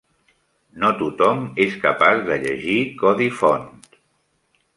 No tothom és capaç de llegir codi font.